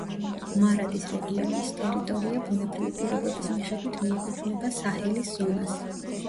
მარადის რეგიონის ტერიტორია ბუნებრივი პირობების მიხედვით მიეკუთვნება საჰელის ზონას.